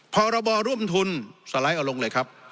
พรบร่วมทุนสไลด์เอาลงเลยครับ